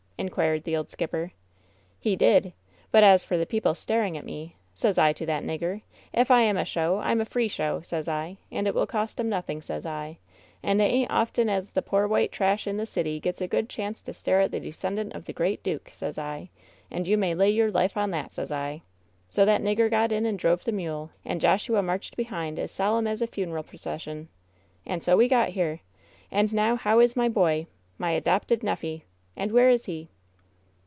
inquired the old skipper. "He did. But as for the people staring at me, sez I to that nigger, if I am a show, I'm a free show, sez I, and it will cost 'em nothing, sez I, and it ain't often as the poor white trash in the city gets a good chance to stare at the descendant of the great duke, sez I, and you toay lay your life on that, sez I. So that nigger got in and drove the mule, and Joshua marched behind as '" solemn as a funeral procession. And so we got bera And now how is my boy? My adopted neffy? And where is he